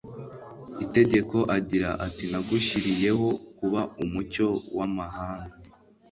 itegeko agira ati nagushyiriyeho kuba umucyo w amahanga